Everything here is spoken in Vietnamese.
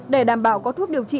để đảm bảo có thuốc điều trị